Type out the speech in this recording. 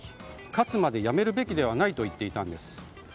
勝つまでやめるべきではないと言っていたんです。